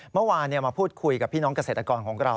เมื่อวานมาพูดคุยกับพี่น้องเกษตรกรของเรา